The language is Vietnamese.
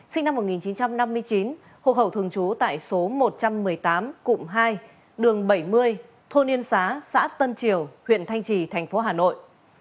sinh năm một nghìn chín trăm năm mươi chín hộ khẩu thường trú tại số một trăm một mươi tám cụm hai đường bảy mươi thôn yên xá xã tân triều huyện thanh trì thành phố hà nội